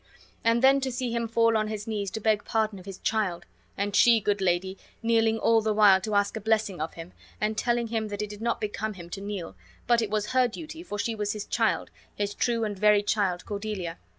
And then to see him fall on his knees to beg pardon of his child; and she, good lady, kneeling all the while to ask a blessing of him, and telling him that it did not become him to kneel, but it was her duty, for she was his child, his true and very child Cordelia!